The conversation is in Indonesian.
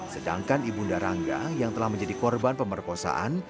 sedangkan ibunda rangga yang telah menjadi korban pemerkosaan